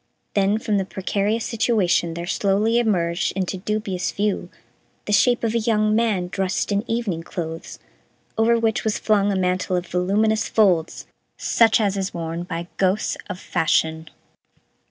Then from the precarious situation there slowly emerged into dubious view the shape of a young man dressed in evening clothes over which was flung a mantle of voluminous folds such as is worn by ghosts of fashion.